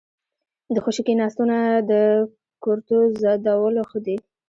ـ د خوشې کېناستو نه د کرتو زدولو ښه دي.